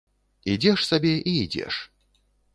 Ідзеш сабе і ідзеш.